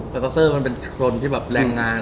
สกาวเซอร์มันเป็นคนที่แรงงาน